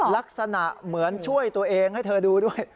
ลักษณะเหมือนช่วยตัวเองให้เธอดูด้วย